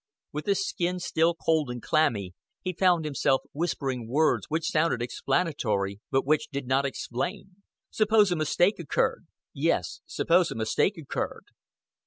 With his skin still cold and clammy, he found himself whispering words which sounded explanatory, but which did not explain: "Suppose a mistake occurred. Yes, suppose a mistake occurred."